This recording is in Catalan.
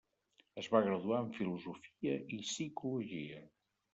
Es va graduar en filosofia i psicologia.